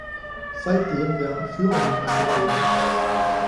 Seitdem werden Führungen angeboten.